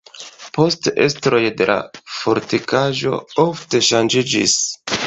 Poste estroj de la fortikaĵo ofte ŝanĝiĝis.